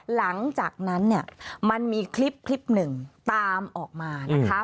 หลังจากนั้นมันมีคลิปหนึ่งตามออกมานะคะ